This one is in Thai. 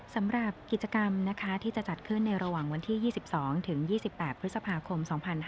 สำหรับกิจกรรมที่จะจัดขึ้นในระหว่างวันที่๒๒ถึง๒๒๘พฤษภาคม๒๕๕๙